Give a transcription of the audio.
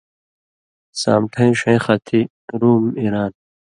سامٹَھیں ݜَیں خطی رُوم، ایران،